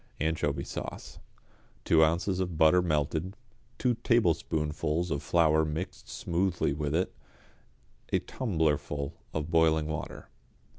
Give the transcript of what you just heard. =Anchovy Sauce.= Two ounces of butter melted, two tablespoonfuls of flour mixed smoothly with it, a tumblerful of boiling water.